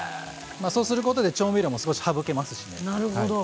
そうすることで調味料も少し省けますし。